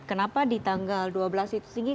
kenapa di tanggal dua belas itu tinggi